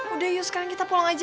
udah yuk sekarang kita pulang aja